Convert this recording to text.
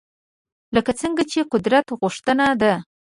لکه څنګه چې قدرت غوښتنه ده